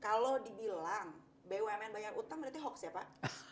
kalau dibilang bumn bayar utang berarti hoax ya pak